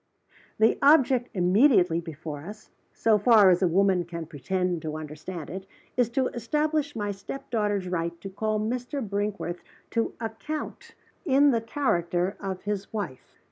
The object immediately before us so far as a woman can pretend to understand it is to establish my step daughter's right to call Mr. Brinkworth to account in the character of his wife.